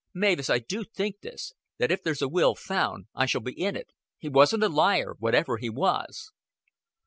"Mavis, I do think this: that if there's a will found, I shall be in it. He wasn't a liar, whatever he was."